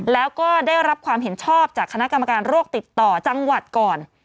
แล้วก็ได้รับความเห็นชอบจากคณะกรรมการโรคติดต่อจังหวัดก่อน